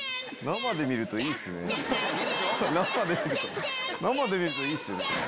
生で見るといいですね。